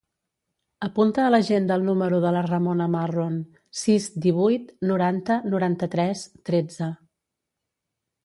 Apunta a l'agenda el número de la Ramona Marron: sis, divuit, noranta, noranta-tres, tretze.